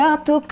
buat di sini